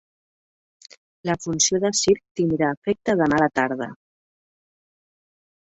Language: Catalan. La funció de circ tindrà efecte demà la tarda.